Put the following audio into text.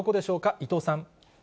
伊藤さん。